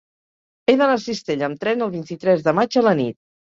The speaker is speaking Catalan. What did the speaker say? He d'anar a Cistella amb tren el vint-i-tres de maig a la nit.